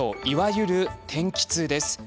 いわゆる「天気痛」。